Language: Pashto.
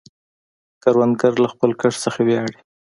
کروندګر له خپل کښت څخه ویاړي